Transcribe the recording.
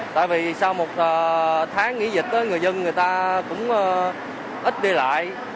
tại vì sau một tháng nghỉ dịch người dân người ta cũng ít đi lại